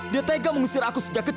dia tega mengusir aku sejak kecil